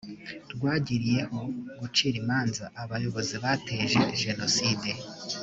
rwagiriyeho gucira imanza abayobozi bateje jenoside